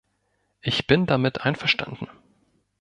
Ich bin damit einverstanden.